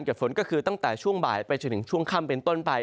ฝนก็คือตั้งแต่ช่วงบ่ายไปจนถึงช่วงค่ำเป็นต้นไป